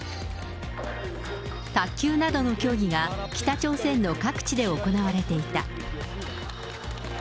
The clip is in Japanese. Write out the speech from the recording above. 卓球などの競技が北朝鮮の各地で行われていた。